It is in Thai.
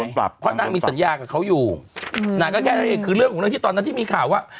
ปรับเพราะนางมีสัญญากับเขาอยู่นางก็แค่คือเรื่องของเรื่องที่ตอนนั้นที่มีข่าวว่า